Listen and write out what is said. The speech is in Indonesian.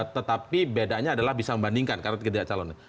tetapi bedanya adalah bisa membandingkan karena tidak calon